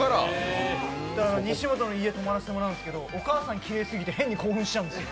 西本の家泊まらせてもうんですけど、お母さんがきれいすぎて、変に興奮しちゃうんですよ。